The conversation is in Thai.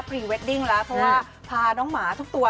เพราะว่าพาน้องหมาทุกตัว